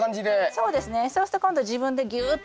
そうすると今度自分でぎゅっと。